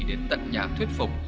đến tận nhà thuyết phục